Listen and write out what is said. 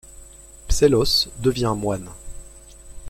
Psellos devient moine.